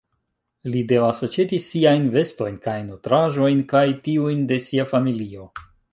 Li devasj aĉeti siajn vestojn kaj nutraĵojn kaj tiujn de sia familio.